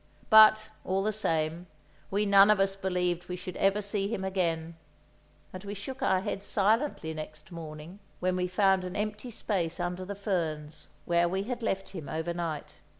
But, all the same, we none of us believed we should ever see him again; and we shook our heads silently next morning, when we found an empty space under the ferns, where we had left him overnight.